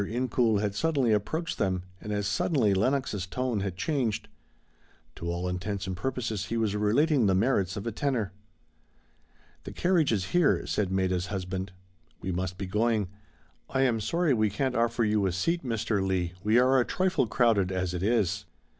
Incoul had suddenly approached them, and as suddenly Lenox's tone had changed. To all intents and purposes he was relating the merits of a tenor. "The carriage is here," said Maida's husband, "we must be going; I am sorry we can't offer you a seat, Mr. Leigh, we are a trifle crowded as it is."